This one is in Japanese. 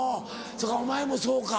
そうかお前もそうか。